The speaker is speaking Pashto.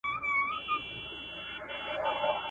چي آسانه پر دې ښځي سي دردونه !.